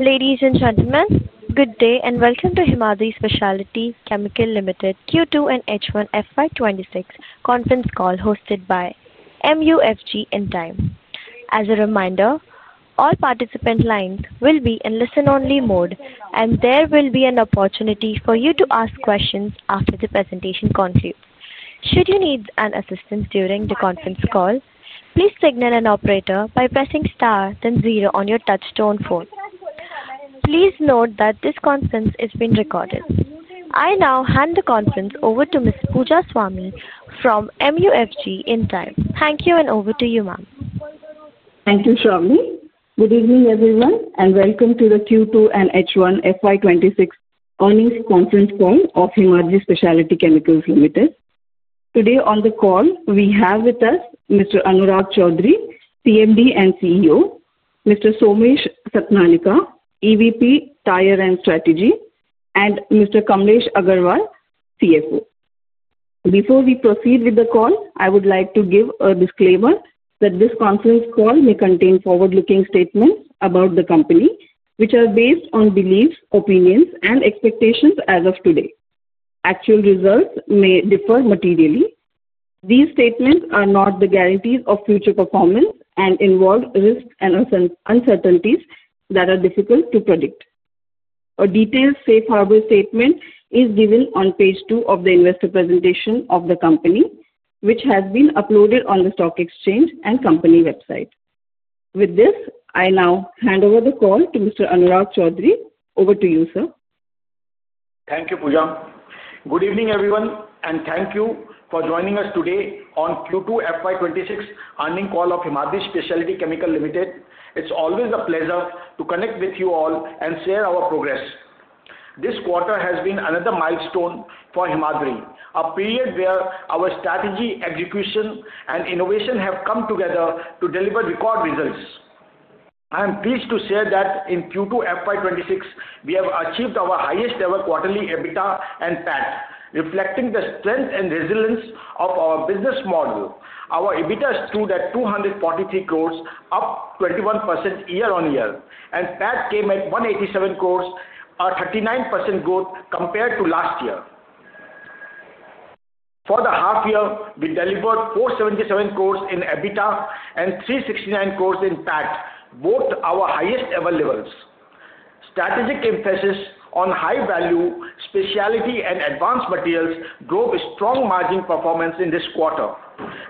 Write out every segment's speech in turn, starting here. Ladies and gentlemen, good day and welcome to Himadri Speciality Chemical Limited, Q2 and H1 FY 2026 conference call hosted by MUFG Intime. As a reminder, all participant lines will be in listen-only mode, and there will be an opportunity for you to ask questions after the presentation concludes. Should you need any assistance during the conference call, please signal an operator by pressing star then zero on your touch tone phone. Please note that this conference is being recorded. I now hand the conference over to Ms. Pooja Swami from MUFG Intime. Thank you and over to you, ma'am. Thank you, Shran. Good evening, everyone, and welcome to the Q2 and H1 FY 2026 earnings conference call of Himadri Speciality Chemical Limited. Today on the call, we have with us Mr. Anurag Choudhary, CMD and CEO, Mr. Somesh Satnalika, EVP Tire and Strategy, and Mr. Kamlesh Agarwal, CFO. Before we proceed with the call, I would like to give a disclaimer that this conference call may contain forward-looking statements about the company, which are based on beliefs, opinions, and expectations as of today. Actual results may differ materially. These statements are not the guarantees of future performance and involve risks and uncertainties that are difficult to predict. A detailed safe harbor statement is given on page two of the investor presentation of the company, which has been uploaded on the stock exchange and company website. With this, I now hand over the call to Mr. Anurag Choudhary over to you, sir. Thank you, Pooja. Good evening, everyone, and thank you for joining us today on Q2 FY 2026 earnings call of Himadri Speciality Chemical Limited. It's always a pleasure to connect with you all and share our progress. This quarter has been another milestone for Himadri, a period where our strategy, execution, and innovation have come together to deliver record results. I am pleased to share that in Q2 FY 2026 we have achieved our highest ever quarterly EBITDA and PAT, reflecting the strength and resilience of our business model. Our EBITDA stood at 243 crore, up 21% year on year, and PAT came at 187 crore, a 39% growth compared to last year. For the half year, we delivered 477 crore in EBITDA and 369 crore in PAT, both our highest ever levels. Strategic emphasis on high-value specialty and advanced materials drove strong margin performance in this quarter,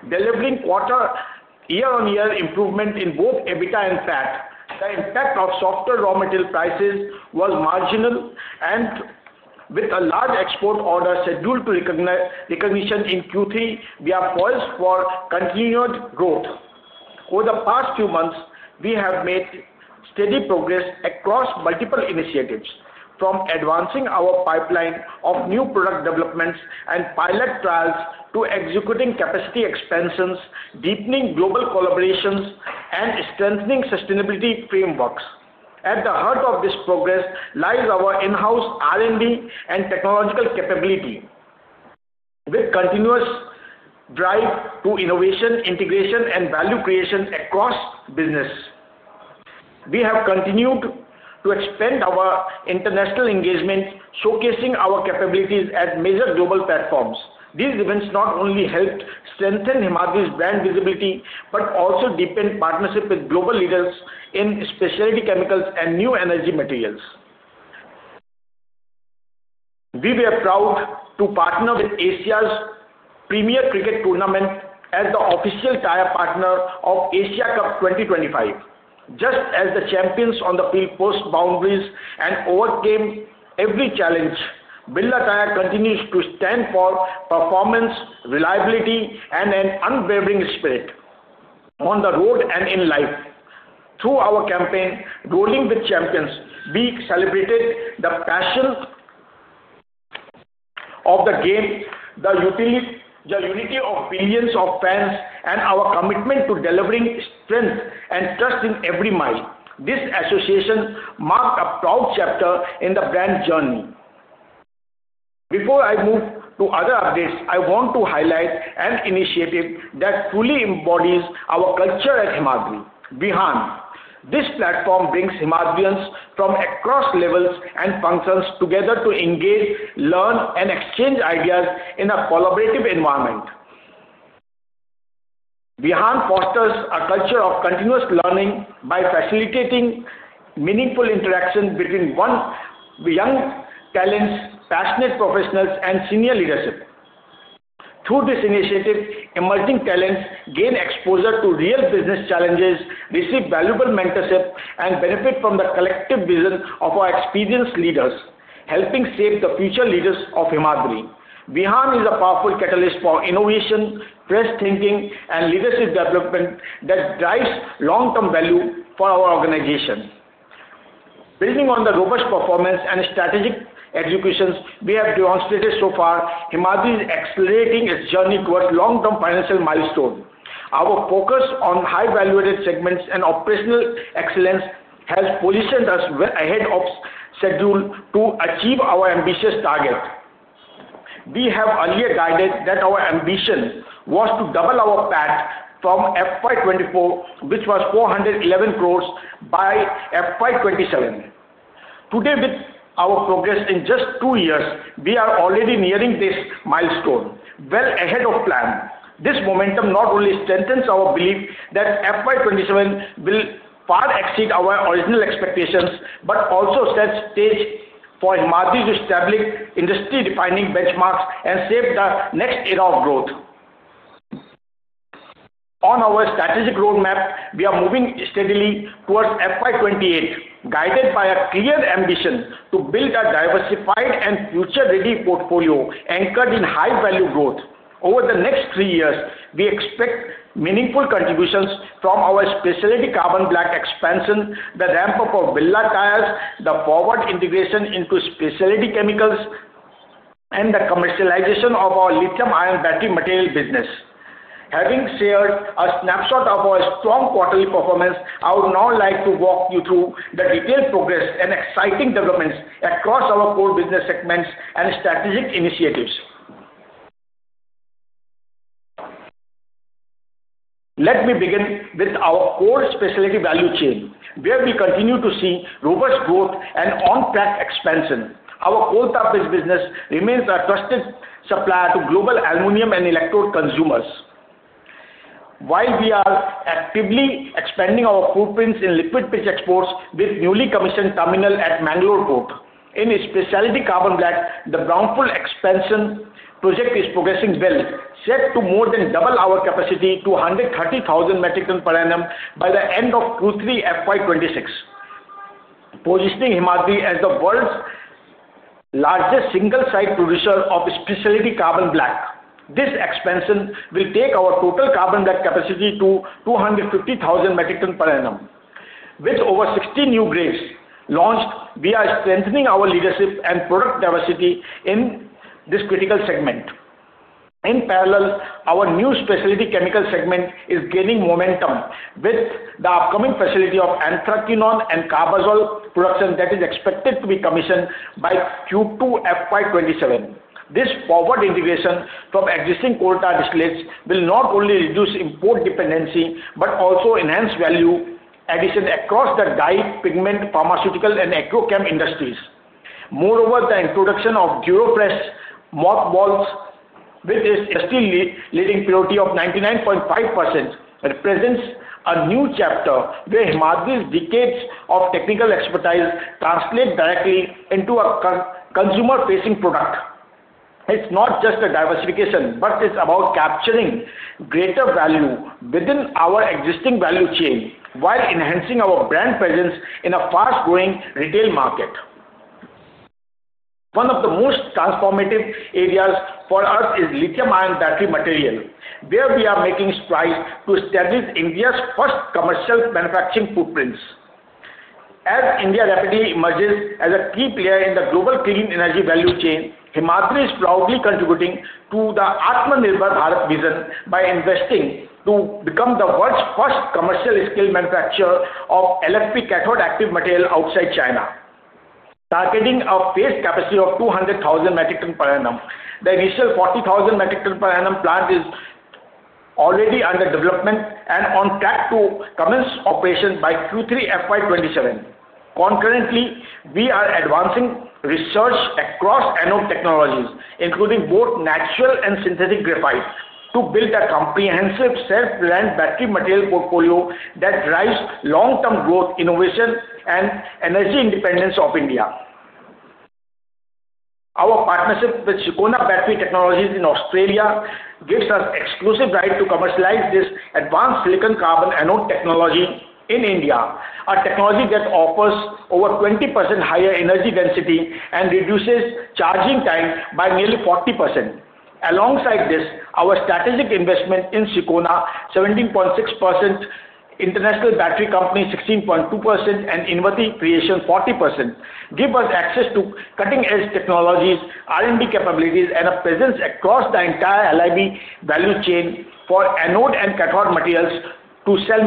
delivering year-on-year improvement in both EBITDA and PAT. The impact of softer raw material prices was marginal, and with a large export order scheduled for recognition in Q3, we are poised for continued growth. Over the past few months, we have made steady progress across multiple initiatives, from advancing our pipeline of new product developments and pilot trials to executing capacity expansions, deepening global collaborations, and strengthening sustainability frameworks. At the heart of this progress lies our in-house R&D and technological capability, with continuous drive to innovation, integration, and value creation across business. We have continued to expand our international engagement, showcasing our capabilities at major global platforms. These events not only helped strengthen Himadri's brand visibility but also deepened partnerships with global leaders in specialty chemicals and new energy materials. We were proud to partner with Asia's Premier Cricket Tournament as the official tire partner of Asia Cup 2025. Just as the champions on the field crossed boundaries and overcame every challenge, Birla Tyres continues to stand for performance, reliability, and an unwavering spirit on the road and in life. Through our campaign, Rolling with Champions, we celebrated the passion of the game, the unity of billions of fans, and our commitment to delivering strength and trust in every mile. This association marked a proud chapter in the brand journey. Before I move to other updates, I want to highlight an initiative that truly embodies our culture at Himadri, Bihan. This platform brings Himadrians from across levels and functions together to engage, learn, and exchange ideas in a collaborative environment. Bihan fosters a culture of continuous learning by facilitating meaningful interactions between young talents, passionate professionals, and senior leadership. Through this initiative, emerging talents gain exposure to real business challenges, receive valuable mentorship, and benefit from the collective vision of our experienced leaders, helping shape the future leaders of Himadri. Bihan is a powerful catalyst for innovation, fresh thinking, and leadership development that drives long-term value for our organization. Building on the robust performance and strategic executions we have demonstrated so far, Himadri is accelerating its journey towards long-term financial milestones. Our focus on high-valued segments and operational excellence has positioned us ahead of schedule to achieve our ambitious target. We have earlier guided that our ambition was to double our PAT from FY 2024, which was INR 411 crore, by FY 2027. Today, with our progress in just two years, we are already nearing this milestone, well ahead of plan. This momentum not only strengthens our belief that FY 2027 will far exceed our original expectations but also sets the stage for Himadri to establish industry-defining benchmarks and shape the next era of growth. On our strategic roadmap, we are moving steadily towards FY 2028, guided by a clear ambition to build a diversified and future-ready portfolio anchored in high-value growth. Over the next three years, we expect meaningful contributions from our specialty carbon black expansion, the ramp-up of Birla Tyres, the forward integration into specialty chemicals, and the commercialization of our lithium-ion battery material business. Having shared a snapshot of our strong quarterly performance, I would now like to walk you through the detailed progress and exciting developments across our core business segments and strategic initiatives. Let me begin with our core specialty value chain, where we continue to see robust growth and on-track expansion. Our coal tar pitch business remains a trusted supplier to global aluminum and electrode consumers. While we are actively expanding our footprints in liquid pitch exports with newly commissioned terminal at Mangalore Port, in specialty carbon black, the brownfield expansion project is progressing well, set to more than double our capacity to 130,000 metric tons per annum by the end of Q3 FY 2026, positioning Himadri as the world's largest single-site producer of specialty carbon black. This expansion will take our total carbon black capacity to 250,000 metric tons per annum. With over 60 new grades launched, we are strengthening our leadership and product diversity in this critical segment. In parallel, our new specialty chemical segment is gaining momentum with the upcoming facility of anthraquinone and carbazole production that is expected to be commissioned by Q2 FY 2027. This forward integration from existing coal tar pitch will not only reduce import dependency but also enhance value addition across the dye, pigment, pharmaceutical, and ecochem industries. Moreover, the introduction of Durofresh mothballs with its industry-leading purity of 99.5% represents a new chapter where Himadri's decades of technical expertise translate directly into a consumer-facing product. It's not just a diversification, but it's about capturing greater value within our existing value chain while enhancing our brand presence in a fast-growing retail market. One of the most transformative areas for us is lithium-ion battery material, where we are making strides to establish India's first commercial manufacturing footprints. As India rapidly emerges as a key player in the global clean energy value chain, Himadri is proudly contributing to the atmanirbhar Bharat vision by investing to become the world's first commercial scale manufacturer of LIP cathode active material outside China, targeting a phased capacity of 200,000 metric tons per annum. The initial 40,000 metric tons per annum plant is already under development and on track to commence operation by Q3 FY 2027. Concurrently, we are advancing research across anode technologies, including both natural and synthetic graphite, to build a comprehensive self-run battery material portfolio that drives long-term growth, innovation, and energy independence of India. Our partnership with Sicona Battery Technologies in Australia gives us exclusive rights to commercialize this advanced silicon carbon anode technology in India, a technology that offers over 20% higher energy density and reduces charging time by nearly 40%. Alongside this, our strategic investment in Sicona is 17.6%, International Battery Company 16.2%, and Invati Creations 40% gives us access to cutting-edge technologies, R&D capabilities, and a presence across the entire LIB value chain for anode and cathode materials to cell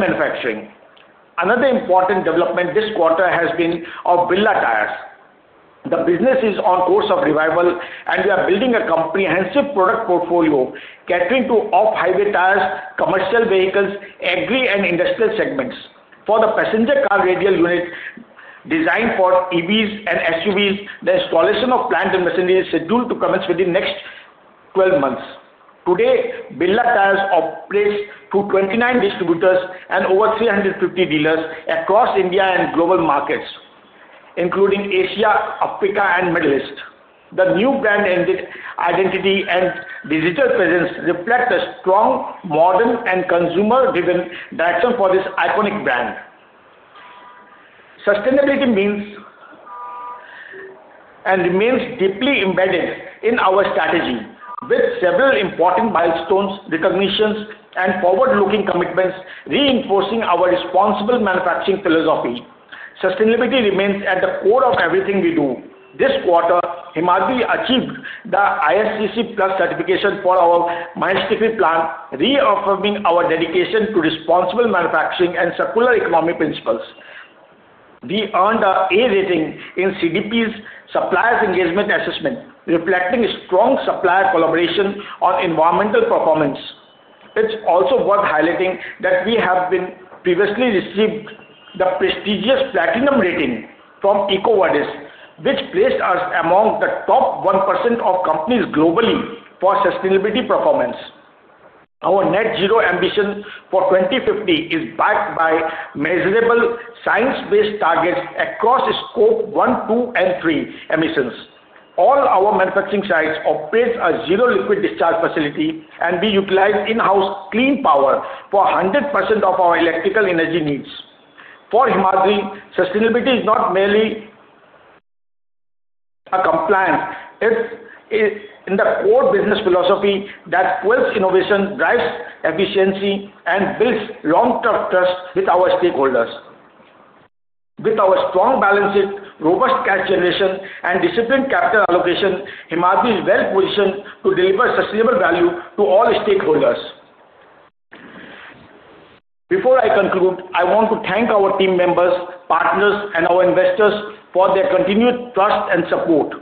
manufacturing. Another important development this quarter has been our Birla Tyres. The business is on a course of revival, and we are building a comprehensive product portfolio catering to off-highway tires, commercial vehicles, agri and industrial segments. For the passenger car radial unit designed for EVs and SUVs, the installation of plant and machinery is scheduled to commence within the next 12 months. Today, Birla Tyres operates through 29 distributors and over 350 dealers across India and global markets, including Asia, Africa, and Middle East. The new brand identity and digital presence reflect a strong, modern, and consumer-driven direction for this iconic brand. Sustainability means and remains deeply embedded in our strategy, with several important milestones, recognitions, and forward-looking commitments reinforcing our responsible manufacturing philosophy. Sustainability remains at the core of everything we do. This quarter, Himadri achieved the ISCC PLUS certification for our mining plant, reaffirming our dedication to responsible manufacturing and circular economy principles. We earned an A rating in CDP's Suppliers Engagement Assessment, reflecting strong supplier collaboration on environmental performance. It's also worth highlighting that we have previously received the prestigious Platinum rating from EcoVadis, which placed us among the top 1% of companies globally for sustainability performance. Our net zero ambition for 2050 is backed by measurable science-based targets across Scope 1, 2, and 3 emissions. All our manufacturing sites operate a zero liquid discharge facility, and we utilize in-house clean power for 100% of our electrical energy needs. For Himadri, sustainability is not merely compliance; it's in the core business philosophy that quotes innovation, drives efficiency, and builds long-term trust with our stakeholders. With our strong balance sheet, robust cash generation, and disciplined capital allocation, Himadri is well-positioned to deliver sustainable value to all stakeholders. Before I conclude, I want to thank our team members, partners, and our investors for their continued trust and support.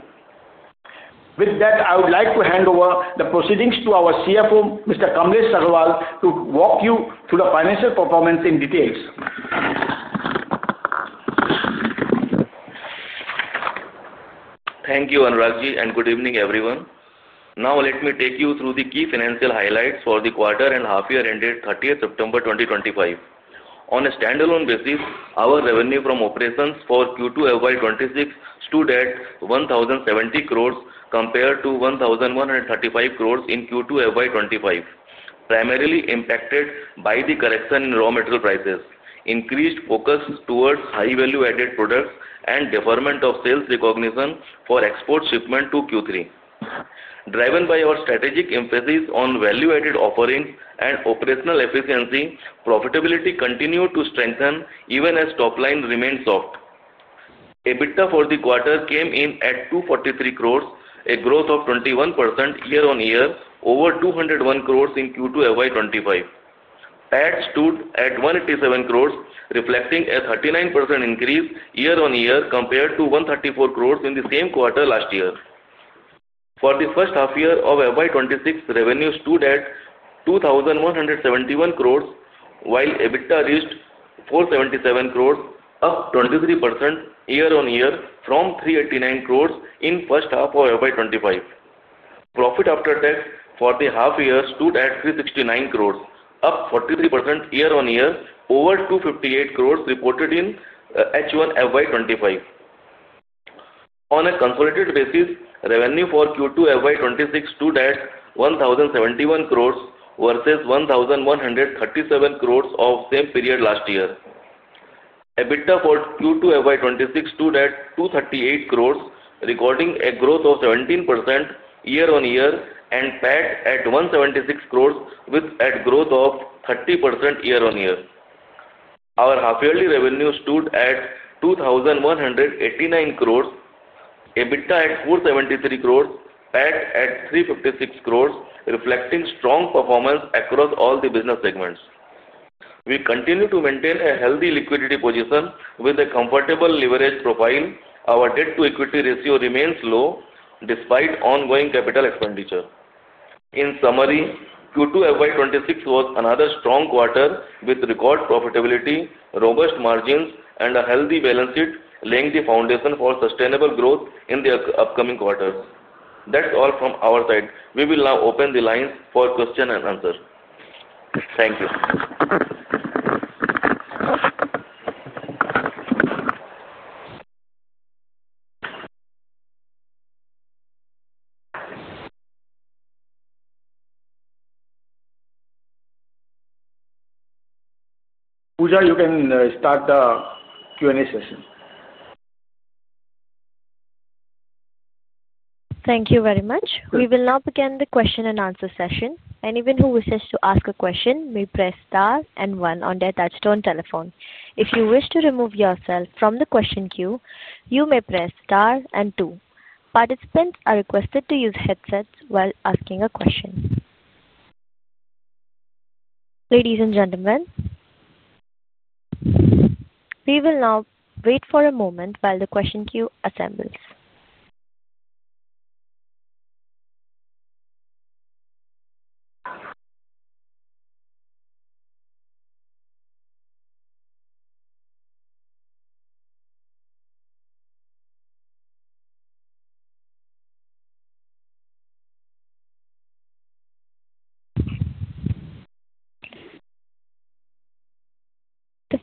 With that, I would like to hand over the proceedings to our CFO, Mr. Kamlesh Agarwal, to walk you through the financial performance in detail. Thank you, Anuragji, and good evening, everyone. Now, let me take you through the key financial highlights for the quarter and half year ended 30th September 2025. On a standalone basis, our revenue from operations for Q2 FY 2026 stood at 1,070 crore compared to 1,135 crore in Q2 FY 2025, primarily impacted by the correction in raw material prices, increased focus towards high-value added products, and deferment of sales recognition for export shipment to Q3. Driven by our strategic emphasis on value-added offerings and operational efficiency, profitability continued to strengthen even as topline remained soft. EBITDA for the quarter came in at 243 crore rupees, a growth of 21% year on year, over 201 crore in Q2 FY 2025. PAT stood at 187 crore, reflecting a 39% increase year on year compared to 134 crore in the same quarter last year. For the first half year of FY 2026, revenue stood at 2,171 crore, while EBITDA reached 477 crore, up 23% year on year from 389 crore in the first half of FY 2025. Profit after tax for the half year stood at 369 crore, up 43% year on year, over 258 crore reported in H1 FY 2025. On a consolidated basis, revenue for Q2 FY 2026 stood at 1,071 crore versus 1,137 crore of the same period last year. EBITDA for Q2 FY 2026 stood at 238 crore, recording a growth of 17% year on year, and PAT at 176 crore, with a growth of 30% year on year. Our half-yearly revenue stood at 2,189 crore, EBITDA at 473 crore, PAT at 356 crore, reflecting strong performance across all the business segments. We continue to maintain a healthy liquidity position with a comfortable leverage profile. Our debt-to-equity ratio remains low despite ongoing capital expenditure. In summary, Q2 FY 2026 was another strong quarter with record profitability, robust margins, and a healthy balance sheet laying the foundation for sustainable growth in the upcoming quarters. That's all from our side. We will now open the lines for questions and answers. Thank you. Pooja, you can start the Q&A session. Thank you very much. We will now begin the question and answer session. Anyone who wishes to ask a question may press star and one on their touch tone telephone. If you wish to remove yourself from the question queue, you may press star and two. Participants are requested to use headsets while asking a question. Ladies and gentlemen, we will now wait for a moment while the question queue assembles.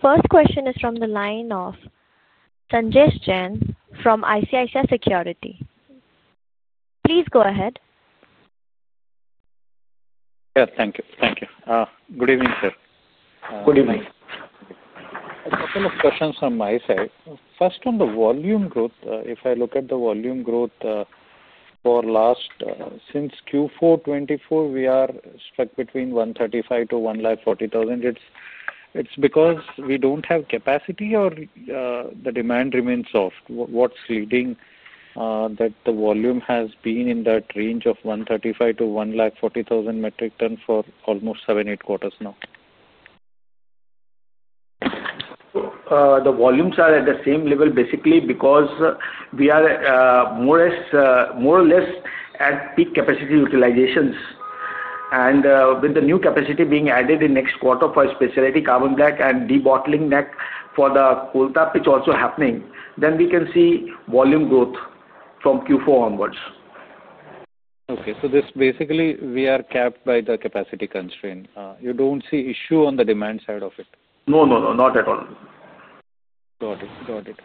The first question is from the line of Sanjesh Jain from ICICI Securities. Please go ahead. Thank you. Good evening, sir. Good evening. A couple of questions from my side. First, on the volume growth, if I look at the volume growth for last, since Q4 2024, we are stuck between 135,000-140,000. It's because we don't have capacity or the demand remains soft. What's leading that the volume has been in that range of 135,000-140,000 metric tons for almost seven, eight quarters now? The volumes are at the same level, basically, because we are more or less at peak capacity utilizations. With the new capacity being added in the next quarter for specialty carbon black and debottlenecking for the coal tar pitch, it's also happening. We can see volume growth from Q4 onwards. Okay. This basically, we are capped by the capacity constraint. You don't see issue on the demand side of it? No, not at all. Got it. Got it.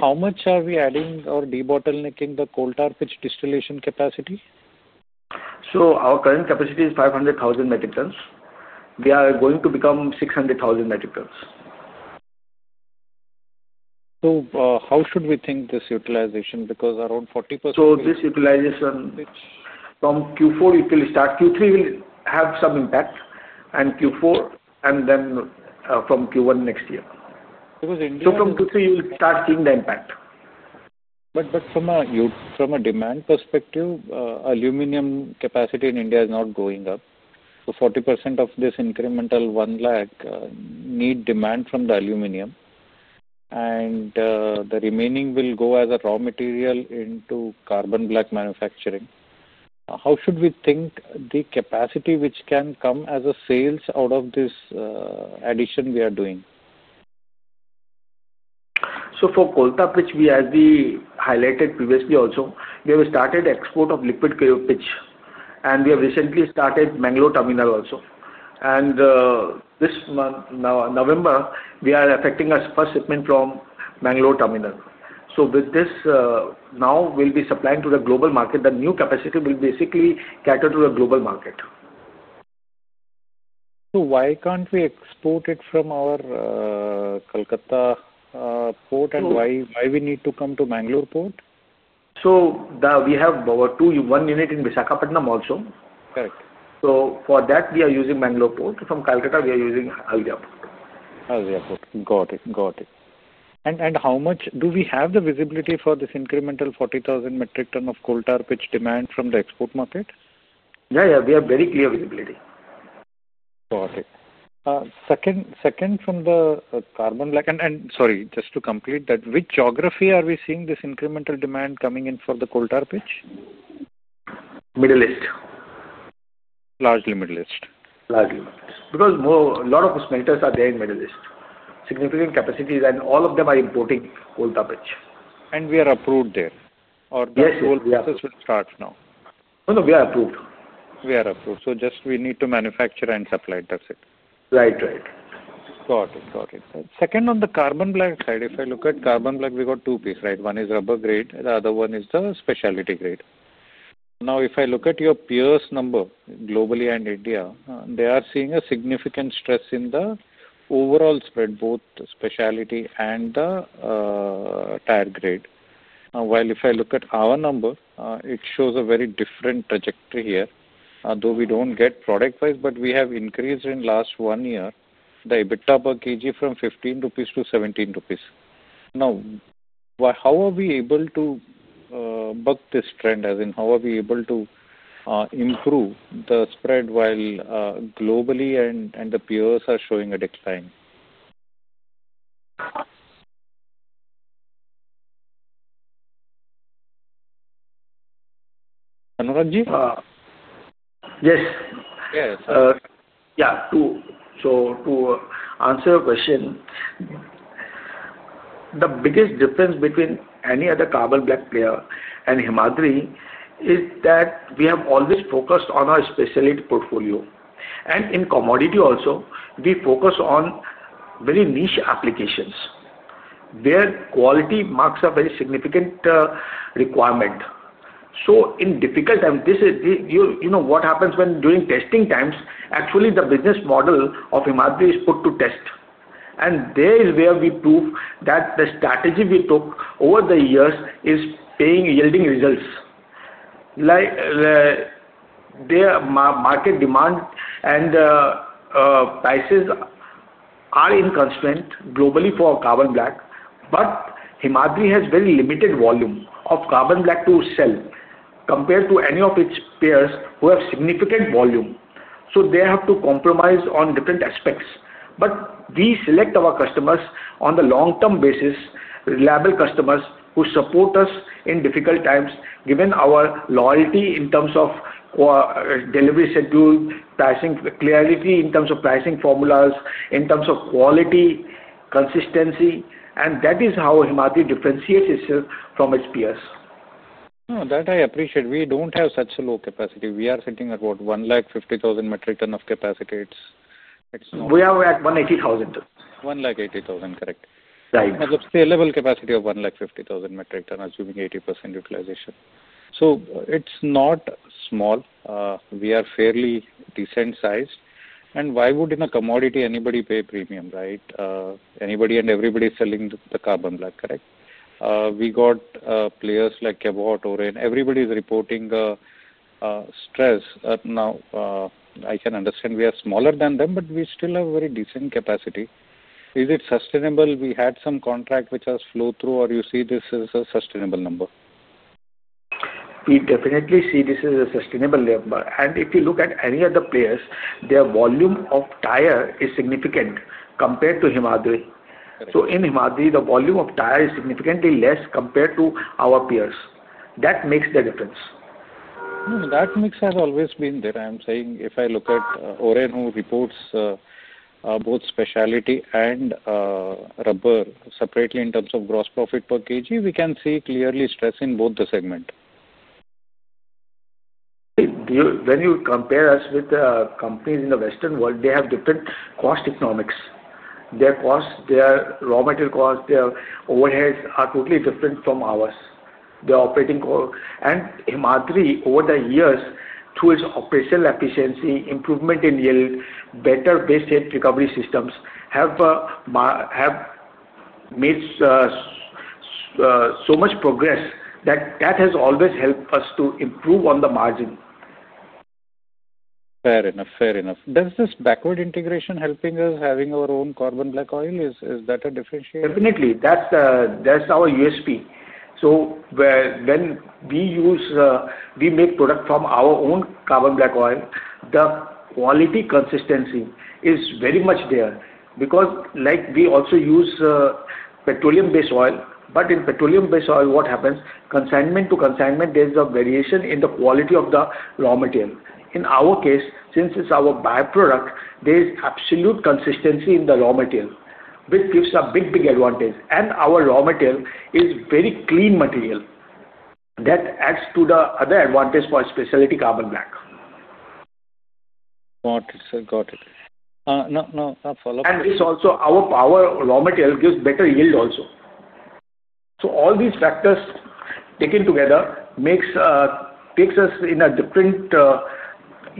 How much are we adding or debottling the coal tar pitch distillation capacity? Our current capacity is 500,000 metric tons. We are going to become 600,000 metric tons. How should we think this utilization? Because around 40%. This utilization from Q4 will start. Q3 will have some impact, and Q4, and then from Q1 next year. Because India is. From Q3, you'll start seeing the impact. From a demand perspective, aluminum capacity in India is not going up. 40% of this incremental [100,000] need is demand from the aluminum, and the remaining will go as a raw material into carbon black manufacturing. How should we think the capacity which can come as a sales out of this addition we are doing? For coal tar pitch, as we highlighted previously also, we have started export of liquid pitch, and we have recently started Mangalore terminal also. This month, now, in November, we are affecting our first shipment from Mangalore terminal. With this, now we'll be supplying to the global market. The new capacity will basically cater to the global market. Why can't we export it from our Kolkata port, and why do we need to come to Mangalore port? We have over two one unit in Visakhapatnam also. Correct. For that, we are using Mangalore port. From Kolkata, we are using Haldia port. Got it. Got it. How much do we have the visibility for this incremental 40,000 metric ton of coal tar pitch demand from the export market? Yeah, we have very clear visibility. Got it. Second, from the carbon black, and sorry, just to complete that, which geography are we seeing this incremental demand coming in for the coal tar pitch? Middle East. Largely Middle East. Largely Middle East, because a lot of smelters are there in the Middle East. Significant capacities, and all of them are importing coal tar pitch. We are approved there. Yes, we are. The whole process will start now. No, we are approved. We are approved. We just need to manufacture and supply. That's it. Right, right. Got it. Second, on the carbon black side, if I look at carbon black, we got two pieces, right? One is rubber grade, and the other one is the specialty grade. Now, if I look at your peers' number globally and in India, they are seeing significant stress in the overall spread, both specialty and the tire grade. If I look at our number, it shows a very different trajectory here. Though we don't get product-wise, we have increased in the last one year the EBITDA per kg from 15 rupees to 17 rupees. How are we able to buck this trend? How are we able to improve the spread while globally and the peers are showing a decline? Anuragji? Yes. Yes. Yeah. To answer your question, the biggest difference between any other carbon black player and Himadri is that we have always focused on our specialty portfolio. In commodity also, we focus on very niche applications where quality marks a very significant requirement. In difficult times, this is what happens when during testing times, actually, the business model of Himadri is put to test. That is where we prove that the strategy we took over the years is yielding results. The market demand and the prices are inconsistent globally for carbon black, but Himadri has very limited volume of carbon black to sell compared to any of its peers who have significant volume. They have to compromise on different aspects. We select our customers on a long-term basis, reliable customers who support us in difficult times, given our loyalty in terms of delivery schedule, clarity in terms of pricing formulas, in terms of quality, consistency. That is how Himadri differentiates itself from its peers. No, that I appreciate. We don't have such a low capacity. We are sitting at about 150,000 metric tons of capacity. It's not. We are at 180,000. 180,000, correct. Right. That's a scalable capacity of 150,000 metric ton, assuming 80% utilization. It's not small. We are fairly decent-sized. Why would anybody in a commodity pay a premium, right? Anybody and everybody is selling the carbon black, correct? We got players like Cabot, Orion. Everybody is reporting stress. I can understand we are smaller than them, but we still have a very decent capacity. Is it sustainable? We had some contract which has flowed through, or you see this as a sustainable number? We definitely see this as a sustainable number. If you look at any of the players, their volume of tire is significant compared to Himadri. In Himadri, the volume of tire is significantly less compared to our peers. That makes the difference. No, that mix has always been there. I'm saying if I look at Orion, who reports both specialty and rubber separately in terms of gross profit per kg, we can see clearly stress in both the segments. When you compare us with the companies in the Western world, they have different cost economics. Their cost, their raw material cost, their overheads are totally different from ours, their operating cost. Himadri, over the years, through its operational efficiency, improvement in yield, better base rate recovery systems have made so much progress that that has always helped us to improve on the margin. Fair enough. Fair enough. Does this backward integration, having our own carbon black oil, is that a differentiator? Definitely. That's our USP. When we use, we make product from our own carbon black oil, the quality consistency is very much there because we also use petroleum-based oil. In petroleum-based oil, what happens is consignment to consignment, there's a variation in the quality of the raw material. In our case, since it's our byproduct, there is absolute consistency in the raw material, which gives a big, big advantage. Our raw material is very clean material. That adds to the other advantage for specialty carbon black. Got it, sir. Got it. No, no, that's all. Our raw material gives better yield also. All these factors taken together take us in a different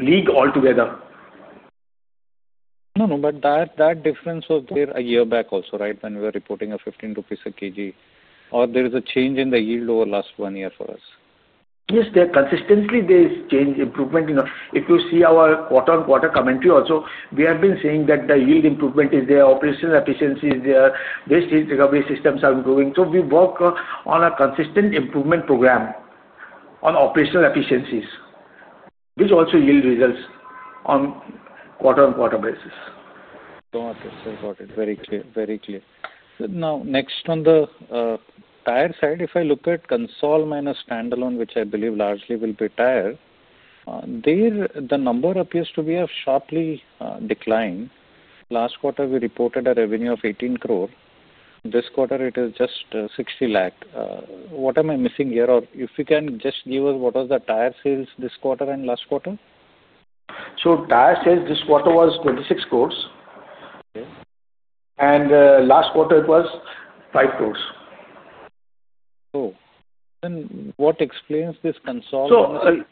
league altogether. No, no, that difference was there a year back also, right, when we were reporting a 15 rupees a kg? Or there is a change in the yield over the last one year for us? Yes, there is consistency. There is change, improvement. If you see our quarter on quarter commentary also, we have been saying that the yield improvement is there, operational efficiency is there, base rate recovery systems are improving. We work on a consistent improvement program on operational efficiencies, which also yield results on a quarter on quarter basis. Got it, sir. Very clear. Now, next on the tire side, if I look at console minus standalone, which I believe largely will be tire, the number appears to have sharply declined. Last quarter, we reported a revenue of 18 crore. This quarter, it is just 60 lakh. What am I missing here? If you can just give us what was the tire sales this quarter and last quarter? Tire sales this quarter was 26 crore. Okay. Last quarter, it was 5 crore. Oh, what explains this console minus?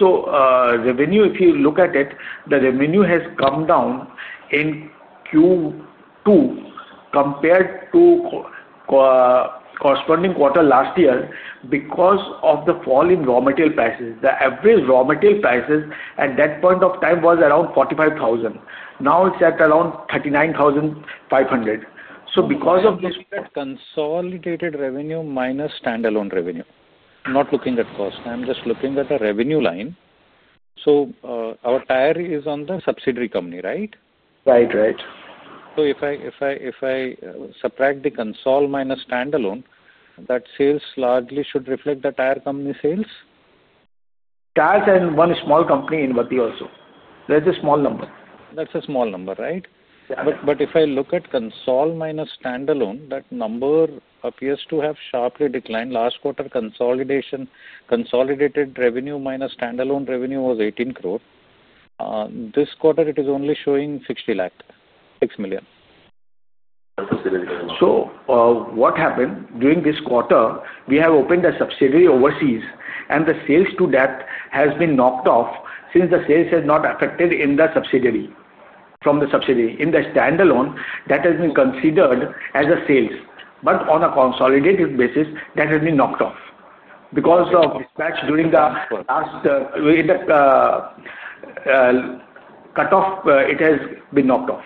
If you look at it, the revenue has come down in Q2 compared to the corresponding quarter last year because of the fall in raw material prices. The average raw material prices at that point of time was around 45,000. Now it's at around 39,500 because of this. We've got consolidated revenue minus standalone revenue. Not looking at cost. I'm just looking at a revenue line. Our tire is on the subsidiary company, right? Right, right. If I subtract the console minus standalone, that sales largely should reflect the tire company sales? Tyres and one small company in [Bhavya] also. That's a small number. That's a small number, right? Yeah. If I look at console minus standalone, that number appears to have sharply declined. Last quarter, consolidated revenue minus standalone revenue was 18 crore. This quarter, it is only showing 60 lakh, 6 million. What happened during this quarter? We have opened a subsidiary overseas, and the sales to that have been knocked off since the sales have not affected in the subsidiary. From the subsidiary, in the standalone, that has been considered as a sales. On a consolidated basis, that has been knocked off because of dispatch during the last cutoff. It has been knocked off.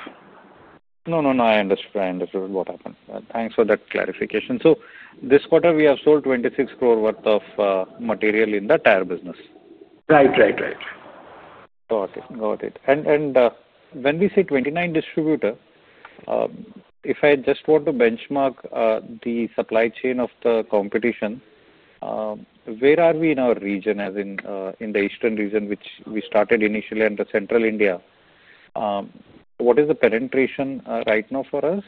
I understood. I understood what happened. Thanks for that clarification. This quarter, we have sold 26 crore worth of material in the tire business. Right, right, right. Got it. Got it. When we say 29 distributors, if I just want to benchmark the supply chain of the competition, where are we in our region, as in the eastern region, which we started initially under Central India? What is the penetration right now for us?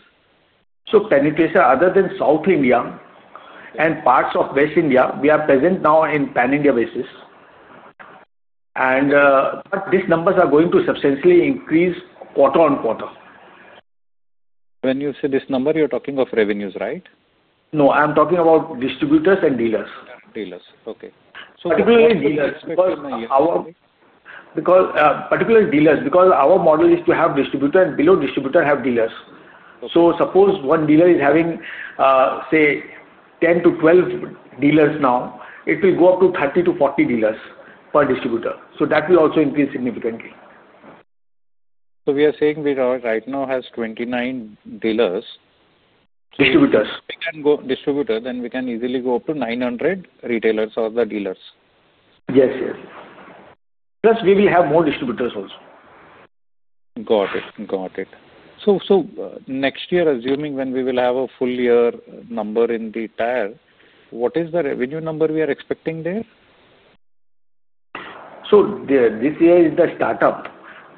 Penetration, other than South India and parts of West India, we are present now on a Pan-India basis. These numbers are going to substantially increase quarter on quarter. When you say this number, you're talking of revenues, right? No, I'm talking about distributors and dealers. Dealers. Okay. Particularly dealers, because our model is to have distributor and below distributor have dealers. Suppose one distributor is having, say, 10-12 dealers now, it will go up to 30-40 dealers per distributor. That will also increase significantly. We are saying we right now have 29 dealers. Distributors. We can go distributors, and we can easily go up to 900 retailers or the dealers. Yes, yes. Plus, we will have more distributors also. Got it. Next year, assuming when we will have a full-year number in the tire, what is the revenue number we are expecting there? This year is the startup.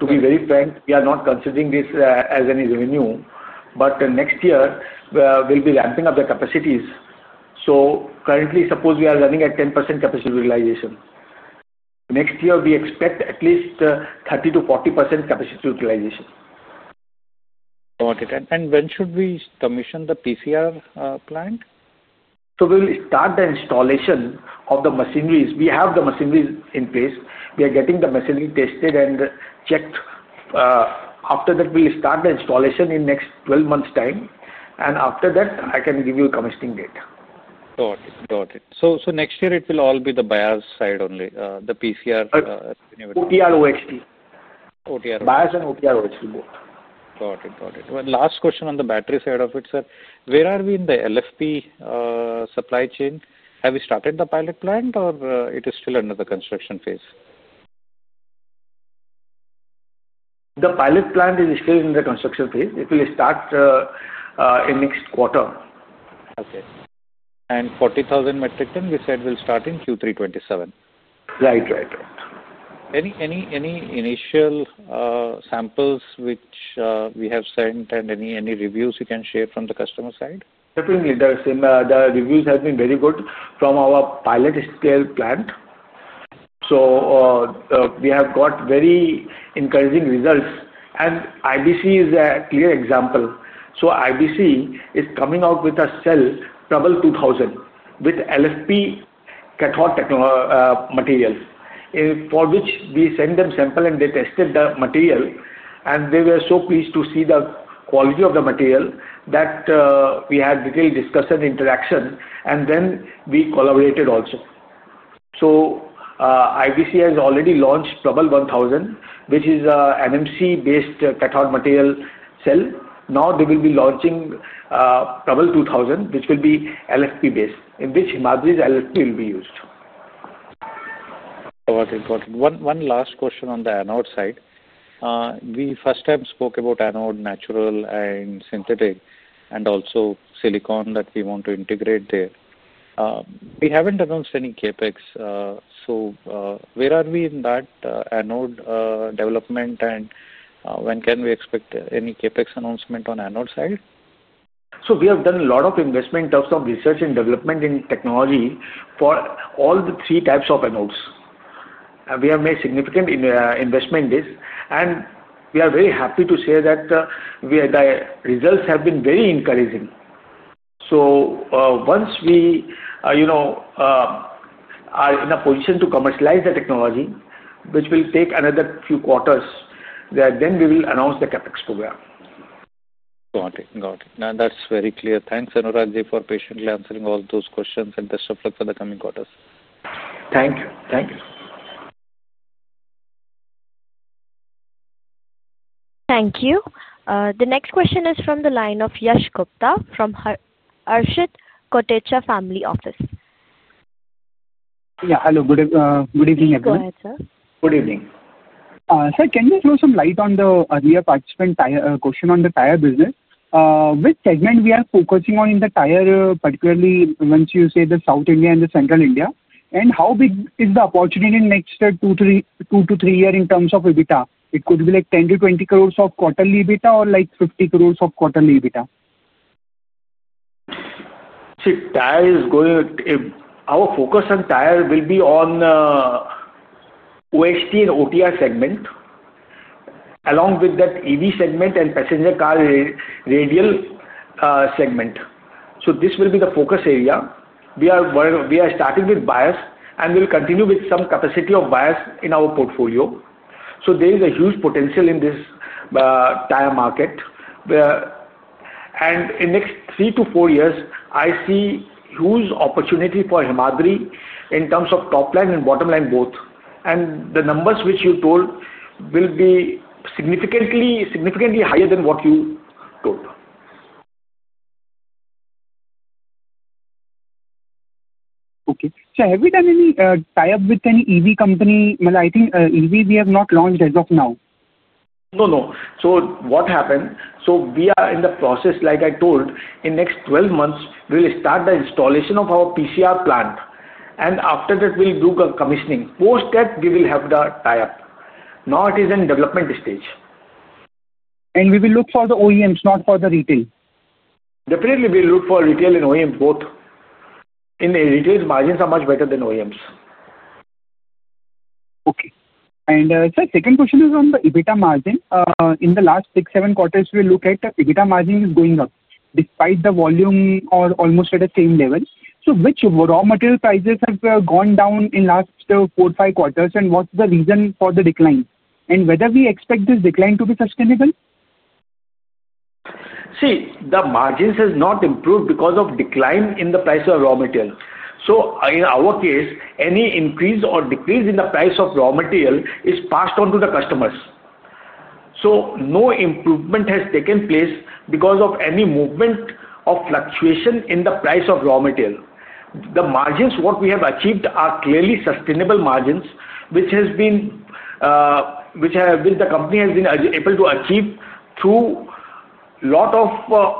To be very frank, we are not considering this as any revenue. Next year, we'll be ramping up the capacities. Currently, suppose we are running at 10% capacity utilization. Next year, we expect at least 30%-40% capacity utilization. Got it. When should we commission the PCR plant? We will start the installation of the machineries. We have the machineries in place. We are getting the machinery tested and checked. After that, we will start the installation in the next 12 months' time. After that, I can give you a commissioning date. Got it. Next year, it will all be the Bias side only, the PCR. OTR OXT. OTR OXT. Bias and OTR, both. Got it. Got it. One last question on the battery side of it, sir. Where are we in the LFP supply chain? Have we started the pilot plant, or is it still under the construction phase? The pilot plant is still in the construction phase. It will start in the next quarter. Okay, 40,000 metric tons we said will start in Q3 2027. Right, right, right. Any initial samples which we have sent, and any reviews you can share from the customer side? Certainly. The reviews have been very good from our pilot scale plant. We have got very encouraging results. IBC is a clear example. IBC is coming out with a cell Prabal 2000 with LIP cathode material for which we sent them samples, and they tested the material. They were so pleased to see the quality of the material that we had a detailed discussion, interaction, and then we collaborated also. IBC has already launched Prabal 1000, which is an NMC-based cathode material cell. Now they will be launching Prabal 2000, which will be LFP-based, in which Himadri's LFP will be used. Got it. Got it. One last question on the anode side. We first time spoke about anode natural and synthetic and also silicon that we want to integrate there. We haven't announced any CapEx. Where are we in that anode development, and when can we expect any CapEx announcement on the anode side? We have done a lot of investment in terms of research and development in technology for all the three types of anodes. We have made significant investment in this, and we are very happy to say that the results have been very encouraging. Once we are in a position to commercialize the technology, which will take another few quarters, we will announce the CapEx program. Got it. Got it. Now that's very clear. Thanks, Anuragji, for patiently answering all those questions, and best of luck for the coming quarters. Thank you. Thank you. Thank you. The next question is from the line of Yash Gupta from Asit Koticha Family Office. Hello. Good evening, everyone. Go ahead, sir. Good evening. Sir, can you throw some light on the earlier participant question on the tire business? Which segment we are focusing on in the tire, particularly once you say the South India and the Central India, and how big is the opportunity in the next two to three years in terms of EBITDA? It could be like 10-20 crore of quarterly EBITDA or like 50 crore of quarterly EBITDA. Our focus on tire will be on OXT and OTR segment, along with that EV segment and passenger car radial segment. This will be the focus area. We are starting with Bias, and we'll continue with some capacity of Bias in our portfolio. There is a huge potential in this tire market. In the next three to four years, I see a huge opportunity for Himadri in terms of topline and bottom line both. The numbers which you told will be significantly higher than what you told. Okay. Sir, have we done any tie-up with any EV company? I think EV, we have not launched as of now. No, no. We are in the process, like I told, in the next 12 months, we'll start the installation of our PCR plant. After that, we'll do commissioning. Post that, we will have the tie-up. Now it is in development stage. We will look for the OEMs, not for the retail? Definitely, we'll look for retail and OEM both. In retail, margins are much better than OEMs. Okay. The second question is on the EBITDA margin. In the last six, seven quarters, we look at EBITDA margin is going up despite the volume or almost at the same level. Which raw material prices have gone down in the last four or five quarters, and what's the reason for the decline? Do we expect this decline to be sustainable? The margins have not improved because of decline in the price of raw material. In our case, any increase or decrease in the price of raw material is passed on to the customers. No improvement has taken place because of any movement or fluctuation in the price of raw material. The margins we have achieved are clearly sustainable margins, which the company has been able to achieve through a lot of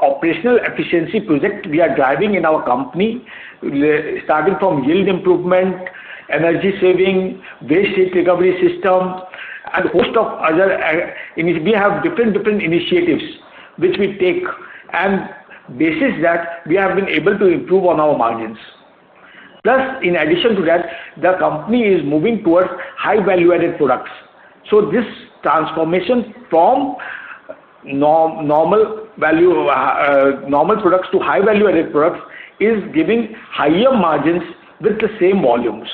operational efficiency projects we are driving in our company, starting from yield improvement, energy saving, base rate recovery system, and a host of other things. We have different initiatives which we take and, based on that, we have been able to improve on our margins. In addition to that, the company is moving towards high-value added products. This transformation from normal value products to high-value added products is giving higher margins with the same volumes.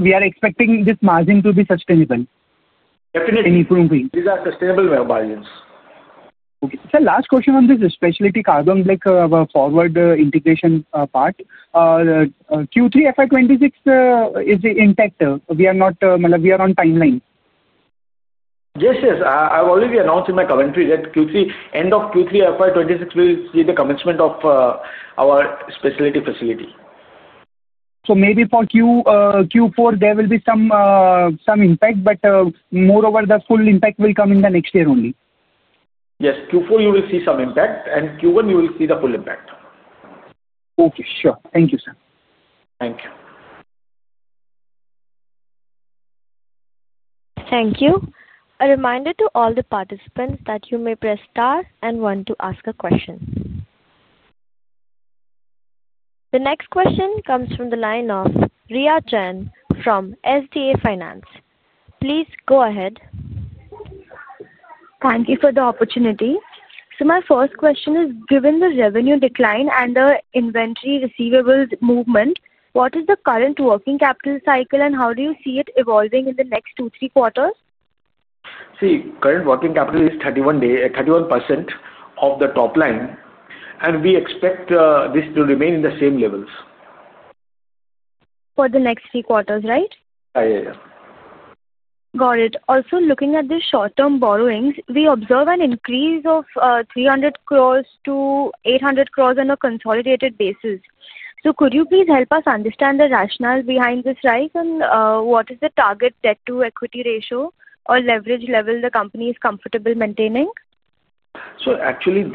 We are expecting this margin to be sustainable. Definitely. And improving. These are sustainable margins. Okay. Sir, last question on this specialty carbon black forward integration part. Q3 FY 2026 is intact. We are not, we are on timeline. Yes, yes. I've already announced in my commentary that end of Q3 FY 2026, we'll see the commencement of our specialty facility. There will be some impact for Q4, but moreover, the full impact will come in the next year only. Yes. Q4, you will see some impact, and Q1, you will see the full impact. Okay. Sure. Thank you, sir. Thank you. Thank you. A reminder to all the participants that you may press star and one to ask a question. The next question comes from the line of [Riya Chen] from SDA Finance. Please go ahead. Thank you for the opportunity. My first question is, given the revenue decline and the inventory receivables movement, what is the current working capital cycle, and how do you see it evolving in the next two, three quarters? See, current working capital is 31% of the topline, and we expect this to remain in the same levels. For the next three quarters, right? Yeah, yeah. Got it. Also, looking at the short-term borrowings, we observe an increase of 300 crore to 800 crore on a consolidated basis. Could you please help us understand the rationale behind this rise and what is the target debt-to-equity ratio or leverage level the company is comfortable maintaining? These are commercial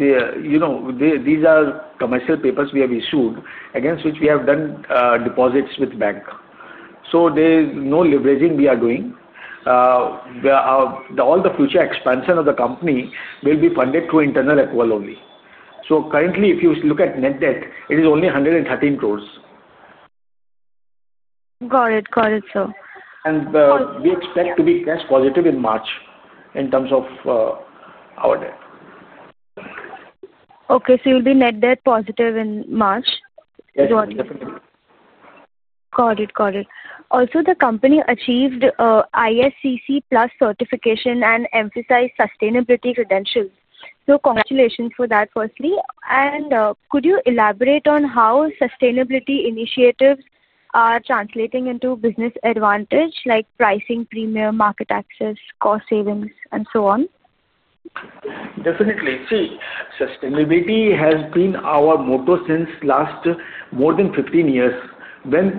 papers we have issued against which we have done deposits with the bank. There is no leveraging we are doing. All the future expansion of the company will be funded through internal equity only. Currently, if you look at net debt, it is only 113 crore. Got it. Got it, sir. We expect to be cash positive in March in terms of our debt. Okay, you'll be net debt positive in March. Yes, definitely. Got it. Got it. The company achieved ISCC PLUS certification and emphasized sustainability credentials. Congratulations for that, firstly. Could you elaborate on how sustainability initiatives are translating into business advantage, like pricing premium, market access, cost savings, and so on? Definitely. See, sustainability has been our motto since last more than 15 years. When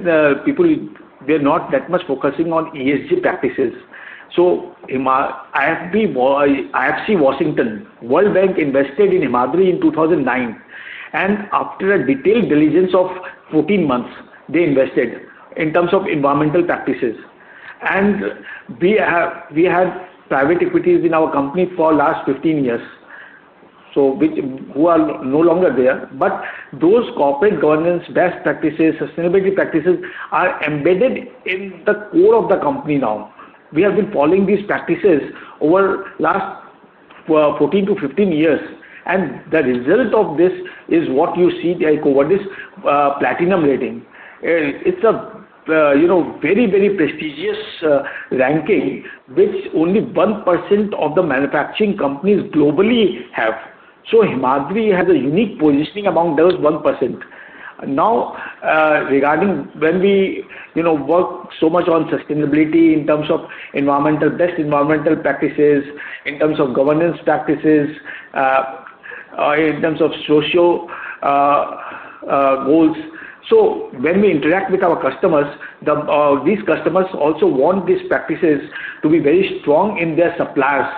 people, they're not that much focusing on ESG practices. IFC Washington, World Bank invested in Himadri in 2009. After a detailed diligence of 14 months, they invested in terms of environmental practices. We had private equities in our company for the last 15 years, who are no longer there. Those corporate governance best practices and sustainability practices are embedded in the core of the company now. We have been following these practices over the last 14-15 years. The result of this is what you see, the EcoVadis Platinum rating. It's a very, very prestigious ranking, which only 1% of the manufacturing companies globally have. Himadri has a unique positioning among those 1%. Now, regarding when we work so much on sustainability in terms of best environmental practices, in terms of governance practices, in terms of social goals, when we interact with our customers, these customers also want these practices to be very strong in their suppliers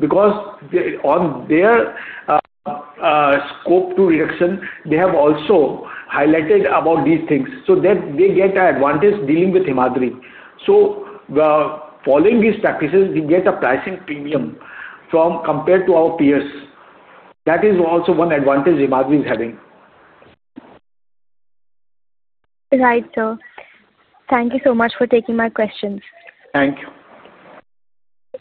because on their Scope 2 reduction, they have also highlighted about these things. They get an advantage dealing with Himadri. Following these practices, we get a pricing premium compared to our peers. That is also one advantage Himadri is having. Right, sir. Thank you so much for taking my questions. Thank you.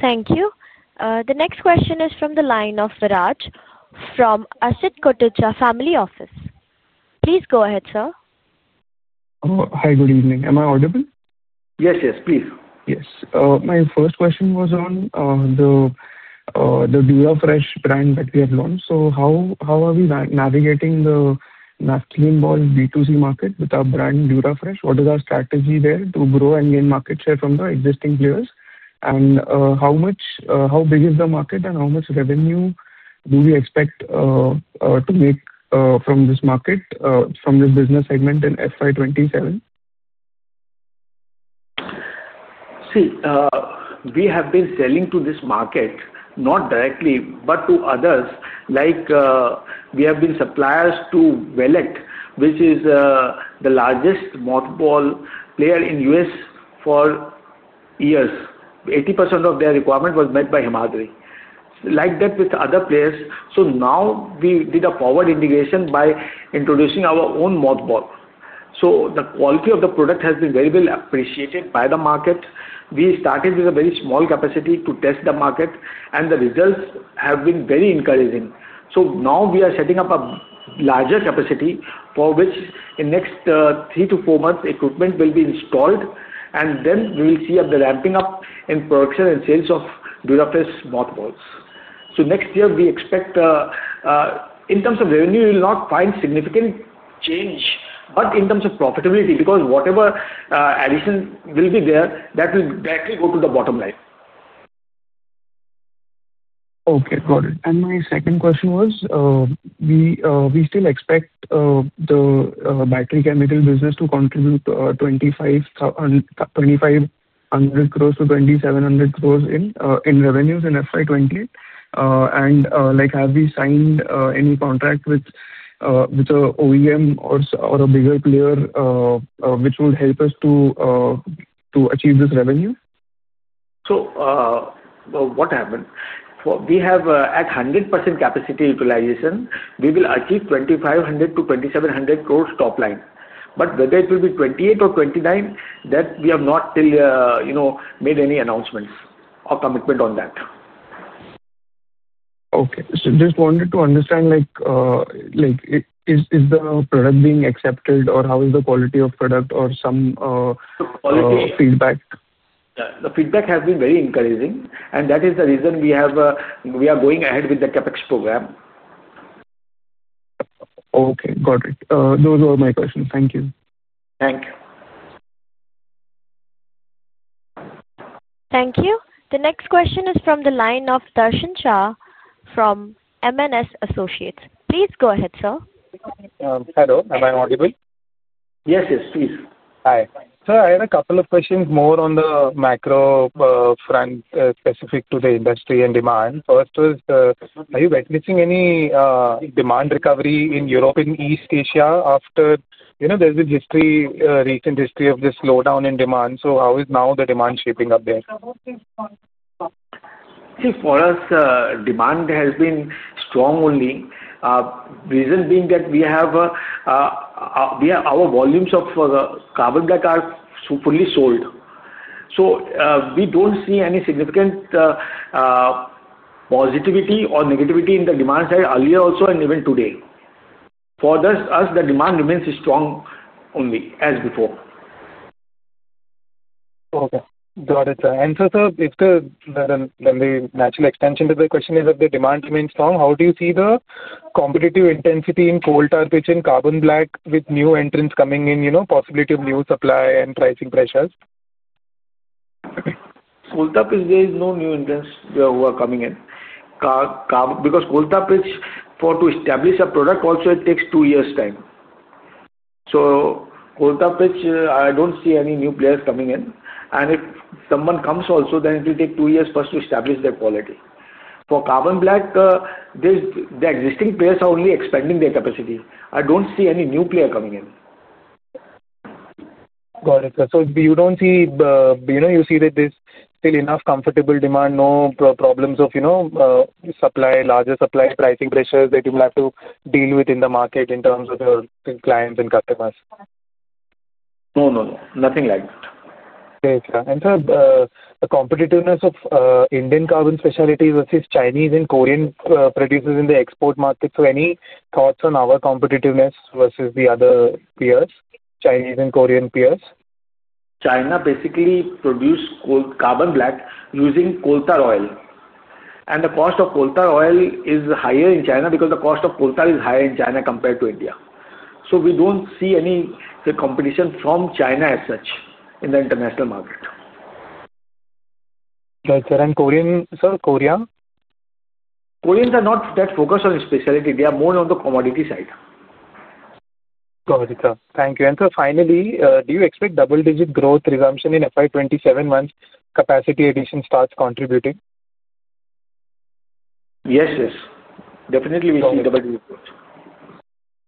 Thank you. The next question is from the line of Virat from Asit Kotecha Family Office. Please go ahead, sir. Hi. Good evening. Am I audible? Yes, yes, please. Yes. My first question was on the Durofresh brand that we have launched. How are we navigating the naturally involved B2C market with our brand Durofresh? What is our strategy there to grow and gain market share from the existing players? How big is the market, and how much revenue do we expect to make from this market, from this business segment in FY 2027? See, we have been selling to this market, not directly, but to others. Like we have been suppliers to [Wallet], which is the largest mothball player in the U.S. for years. 80% of their requirements were met by Himadri. Like that with other players. We did a forward integration by introducing our own mothball. The quality of the product has been very well appreciated by the market. We started with a very small capacity to test the market, and the results have been very encouraging. We are setting up a larger capacity for which in the next three to four months, equipment will be installed, and we will see the ramping up in production and sales of Durofresh mothballs. Next year, we expect in terms of revenue, we will not find significant change, but in terms of profitability because whatever addition will be there, that will directly go to the bottom line. Okay. Got it. My second question was, we still expect the battery chemical business to contribute 2,500 crores to 2,700 crores in revenues in FY 2028. Have we signed any contract with an OEM or a bigger player which will help us to achieve this revenue? At 100% capacity utilization, we will achieve 2,500-2,700 crore topline. Whether it will be 2,800-2,900 crore, we have not, you know, made any announcements or commitment on that. Okay, just wanted to understand, is the product being accepted, or how is the quality of the product, or some feedback? The quality of feedback has been very encouraging, and that is the reason we are going ahead with the CapEx program. Okay. Got it. Those were my questions. Thank you. Thank you. Thank you. The next question is from the line of Darshan Shah from M&S Associates. Please go ahead, sir. Hello. Am I audible? Yes, yes, please. Hi. Sir, I had a couple of questions more on the macro specific to the industry and demand. First was, are you witnessing any demand recovery in Europe and East Asia after there's been recent history of this slowdown in demand? How is now the demand shaping up there? See, for us, demand has been strong only. The reason being that we have our volumes of carbon black are fully sold. We don't see any significant positivity or negativity in the demand side earlier also and even today. For us, the demand remains strong only as before. Got it, sir. If the natural extension to the question is that the demand remains strong, how do you see the competitive intensity in coal tar pitch and carbon black with new entrants coming in, you know, possibility of new supply and pricing pressures? Coal tar pitch, there are no new entrants who are coming in. Because coal tar pitch, to establish a product also it takes two years' time. Coal tar pitch, I don't see any new players coming in. If someone comes also, it will take two years first to establish their quality. For carbon black, the existing players are only expanding their capacity. I don't see any new player coming in. Got it, sir. You don't see, you know, you see that there's still enough comfortable demand, no problems of larger supply, pricing pressures that you will have to deal with in the market in terms of your clients and customers? No, nothing like that. Great, sir. The competitiveness of Indian carbon specialties versus Chinese and Korean producers in the export market. Any thoughts on our competitiveness versus the other peers, Chinese and Korean peers? China basically produces carbon black using coal tar oil. The cost of coal tar oil is higher in China because the cost of coal tar is higher in China compared to India. We don't see any competition from China as such in the international market. Got it, sir. And Korea, sir, Korea? Koreans are not that focused on specialty. They are more on the commodity side. Got it, sir. Thank you. Finally, do you expect double-digit growth resumption in FY 2027 once capacity addition starts contributing? Yes, yes. Definitely, we see double-digit growth.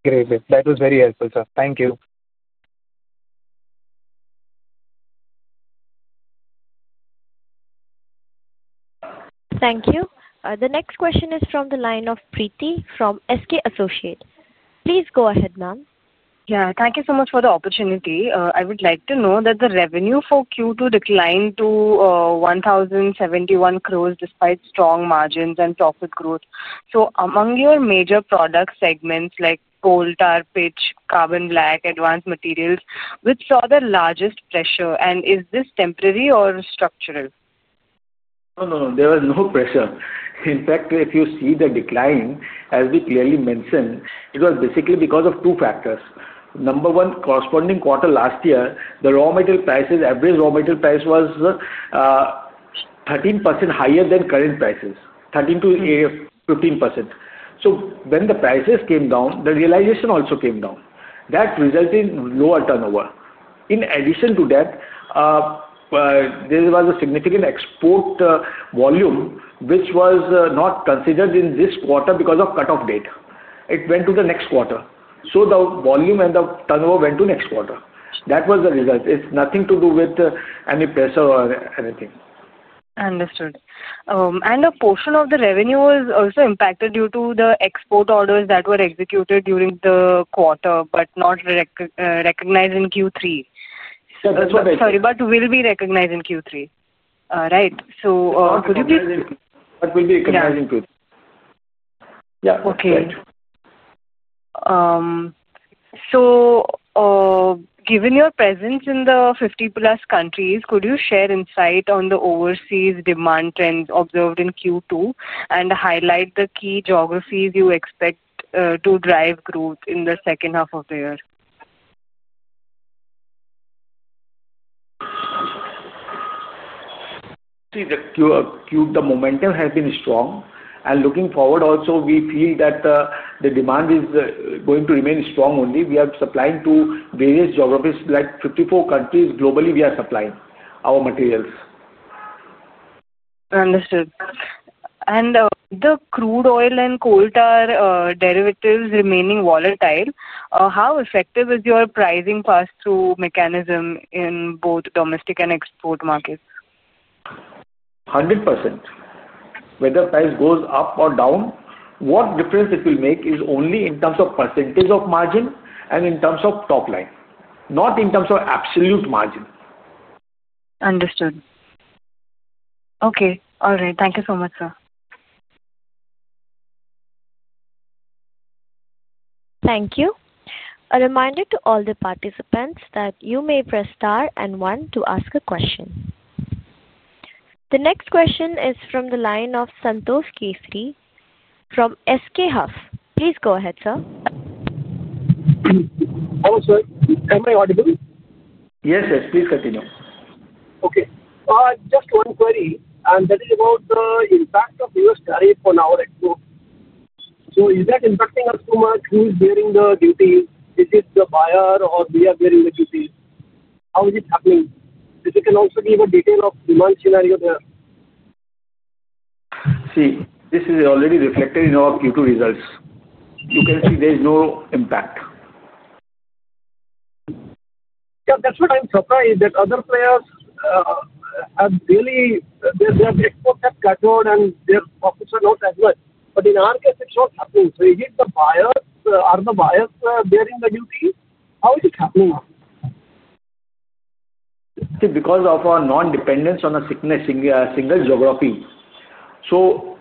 Great, sir. That was very helpful, sir. Thank you. Thank you. The next question is from the line of [Preeti] from SK Associates. Please go ahead, ma'am. Thank you so much for the opportunity. I would like to know that the revenue for Q2 declined to 1,071 crore despite strong margins and profit growth. Among your major product segments like coal tar pitch, specialty carbon black, advanced materials, which saw the largest pressure, and is this temporary or structural? There was no pressure. In fact, if you see the decline, as we clearly mentioned, it was basically because of two factors. Number one, corresponding quarter last year, the raw material prices, average raw material price was 13% higher than current prices, 13%-15%. When the prices came down, the realization also came down. That resulted in lower turnover. In addition to that, there was a significant export volume, which was not considered in this quarter because of cut-off date. It went to the next quarter. The volume and the turnover went to next quarter. That was the result. It's nothing to do with any pressure or anything. Understood. A portion of the revenue was also impacted due to the export orders that were executed during the quarter, but not recognized in Q3. Sir, that's what I did. Sorry, but it will be recognized in Q3, right? Could you please? That will be recognized in Q3. Yeah, right. Okay. Given your presence in the 50+ countries, could you share insight on the overseas demand trends observed in Q2 and highlight the key geographies you expect to drive growth in the second half of the year? See, the momentum has been strong. Looking forward also, we feel that the demand is going to remain strong only. We are supplying to various geographies, like 54 countries globally, we are supplying our materials. Understood. The crude oil and coal tar derivatives remaining volatile, how effective is your pricing pass-through mechanism in both domestic and export markets? 100%. Whether price goes up or down, what difference it will make is only in terms of % of margin and in terms of topline, not in terms of absolute margin. Understood. Okay. All right. Thank you so much, sir. Thank you. A reminder to all the participants that you may press star and one to ask a question. The next question is from the line of [Santos Kesri] from SK Huff. Please go ahead, sir. Hello, sir. Am I audible? Yes, yes. Please continue. Okay. Just one query, and that is about the impact of U.S. tariff on our exports. Is that impacting us too much? Who is bearing the duties? Is it the buyer or are we bearing the duties? How is it happening? If you can also give a detail of demand scenario there. See, this is already reflected in our Q2 results. You can see there is no impact. Yeah, that's what I'm surprised that other players are barely, their exports have cut down and their profits are not as good. In our case, it's not happening. Is it the buyers? Are the buyers bearing the duties? How is it happening? Because of our non-dependence on a single geography,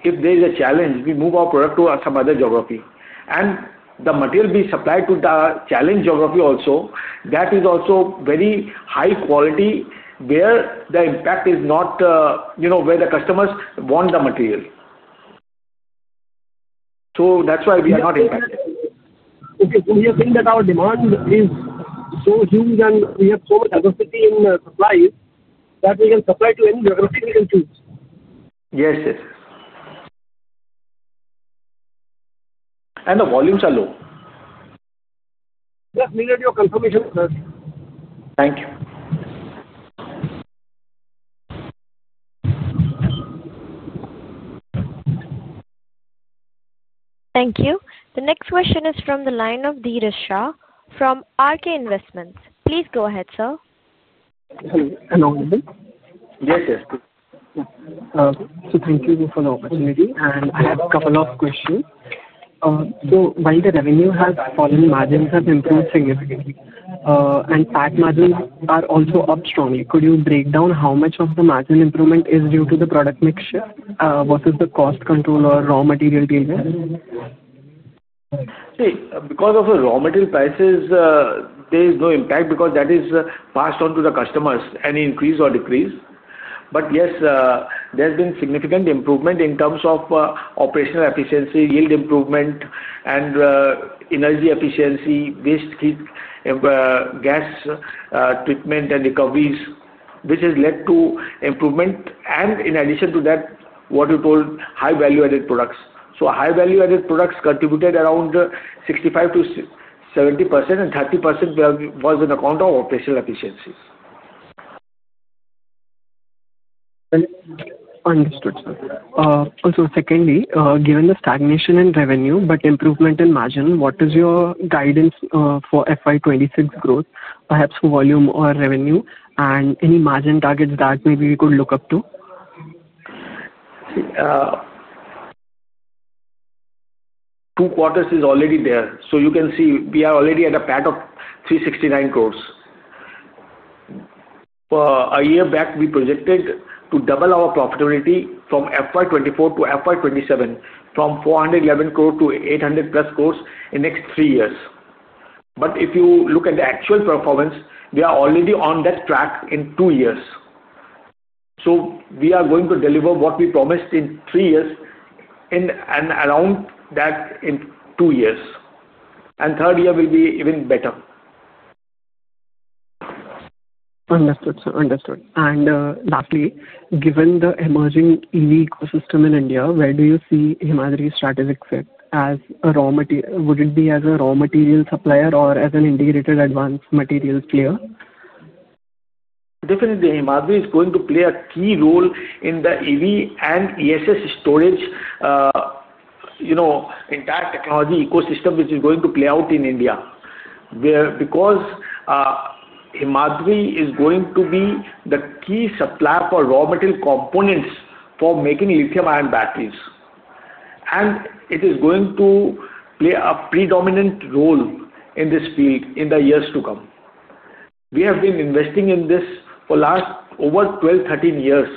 if there is a challenge, we move our product to some other geography. The material we supply to the challenged geography is also very high quality where the impact is not, you know, where the customers want the material. That's why we are not impacted. Okay. You think that our demand is so huge and we have so much diversity in supplies that we can supply to any geography we can choose? Yes, yes, and the volumes are low. Just needed your confirmation, sir. Thank you. Thank you. The next question is from the line of [Vyda Shah] from RK Investments. Please go ahead, sir. Hello. Am I audible? Yes, yes. Thank you for the opportunity. I have a couple of questions. While the revenue has fallen, margins have improved significantly, and PAT margins are also up strongly. Could you break down how much of the margin improvement is due to the product mix shift versus the cost control or raw material dealers? See, because of the raw material prices, there is no impact because that is passed on to the customers, any increase or decrease. However, there's been significant improvement in terms of operational efficiency, yield improvement, and energy efficiency, waste heat, gas treatment, and recoveries, which has led to improvement. In addition to that, what you told, high-value added products. High-value added products contributed around 65%-70%, and 30% was on account of operational efficiency. Understood, sir. Also, secondly, given the stagnation in revenue but improvement in margin, what is your guidance for FY 2026 growth, perhaps volume or revenue, and any margin targets that maybe we could look up to? Two quarters is already there. You can see we are already at a path of 369 crore. A year back, we projected to double our profitability from FY 2024 to FY 2027, from 411 crore to 800+ crore in the next three years. If you look at the actual performance, we are already on that track in two years. We are going to deliver what we promised in three years and around that in two years. The third year will be even better. Understood, sir. Understood. Lastly, given the emerging EV ecosystem in India, where do you see Himadri's strategic fit as a raw material? Would it be as a raw material supplier or as an integrated advanced materials player? Definitely, Himadri is going to play a key role in the EV and ESS storage, you know, entire technology ecosystem which is going to play out in India. Because Himadri is going to be the key supplier for raw material components for making lithium-ion batteries. It is going to play a predominant role in this field in the years to come. We have been investing in this for the last over 12, 13 years.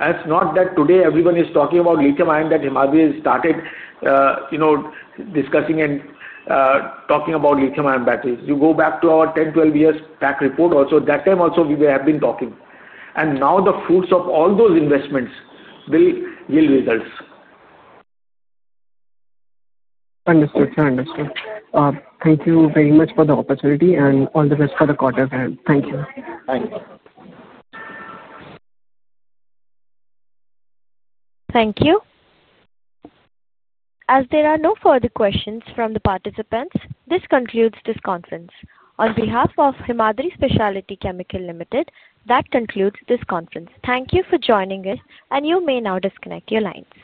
It's not that today everyone is talking about lithium-ion that Himadri has started, you know, discussing and talking about lithium-ion batteries. You go back to our 10, 12 years PAC report also. That time also, we have been talking. Now the fruits of all those investments will yield results. Understood, sir. Understood. Thank you very much for the opportunity and all the best for the quarter ahead. Thank you. Thank you. Thank you. As there are no further questions from the participants, this concludes this conference. On behalf of Himadri Speciality Chemical Limited, that concludes this conference. Thank you for joining us, and you may now disconnect your lines.